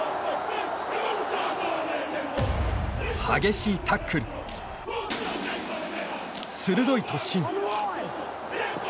激しいタックル、鋭い突進。